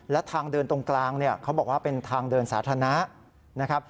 และทางเดินตรงกลางเนี่ยเขาบอกว่าเป็นทางเดินสาธารณะนะครับ